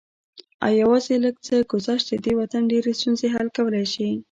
او يوازې لږ څه ګذشت د دې وطن ډېرې ستونزې حل کولی شي